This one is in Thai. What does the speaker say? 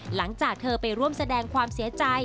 หลังจากเธอไปร่วมแสดงความเสียใจ